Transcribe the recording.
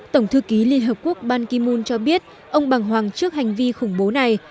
tổng thư ký liên hợp quốc ban kim mun cho biết ông bằng hoàng trước hành vi khủng bố này